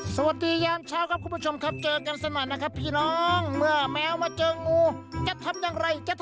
สวัสดียามเช้าครับคุณผู้ชมครับ